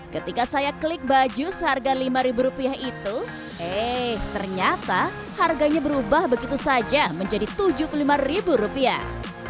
ketika saya klik baju seharga lima ribu rupiah itu eh ternyata harganya berubah begitu saja menjadi tujuh puluh lima ribu rupiah